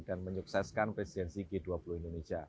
dan menyukseskan presidensi g dua puluh indonesia